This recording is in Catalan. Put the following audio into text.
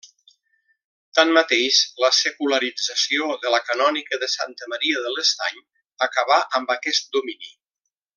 Tanmateix, la secularització de la canònica de Santa Maria de l'Estany acabà amb aquest domini.